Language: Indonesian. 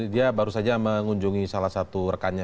dia baru saja mengunjungi salah satu rekannya